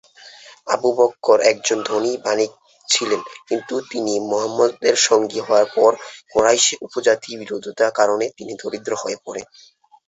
Abu Bakr একজন ধনী বণিক ছিলেন কিন্তু তিনি মুহাম্মাদের সঙ্গী হওয়ার পর কুরাইশ উপজাতির বিরোধিতার কারণে তিনি দরিদ্র হয়ে পড়েন।